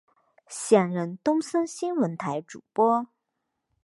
现任东森新闻台主播。